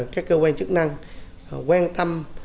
các cơ quan chức năng quan tâm